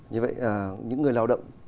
như vậy những người lao động